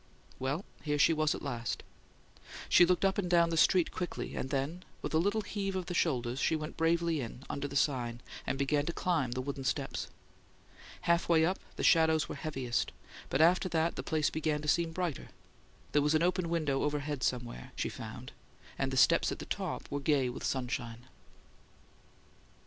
Well, she was here at last! She looked up and down the street quickly, and then, with a little heave of the shoulders, she went bravely in, under the sign, and began to climb the wooden steps. Half way up the shadows were heaviest, but after that the place began to seem brighter. There was an open window overhead somewhere, she found; and the steps at the top were gay with sunshine.